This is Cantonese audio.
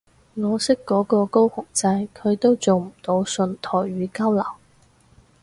我識嗰個高雄仔佢都做唔到純台語交流